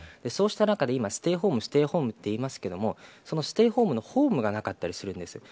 そうした中でステイホームといいますけれどもステイホームのホームがなかったりするんです。